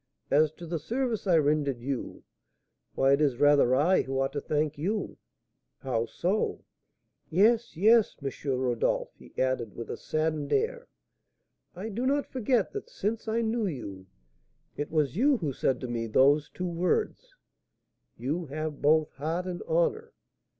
As to the service I rendered you, why, it is rather I who ought to thank you." "How so?" "Yes, yes, M. Rodolph," he added, with a saddened air, "I do not forget that, since I knew you, it was you who said to me those two words,'You have both heart and honour!'